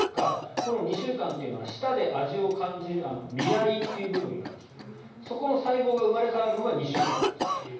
この２週間というのは舌で味を感じる味蕾という部分があるんですがそこの細胞が生まれ変わるのが２週間なんですって。